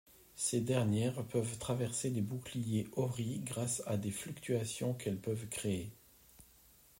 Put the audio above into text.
Ces dernières peuvent traverser les boucliers Ori grâce à des fluctuations qu'elles peuvent créer.